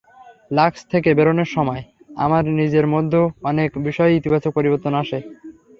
Lux থেকে বেরোনোর সময় আমার নিজের মধ্যে অনেক বিষয়েই ইতিবাচক পরিবর্তন আসে।